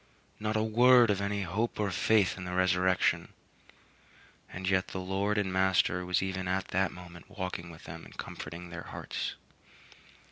Not a word of any hope or faith in the resurrection! And yet their Lord and Master was even at that moment walking with them and comforting their hearts.